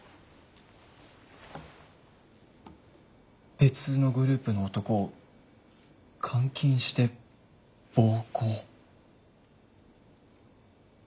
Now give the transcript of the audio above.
別のグループの男を監禁して暴行。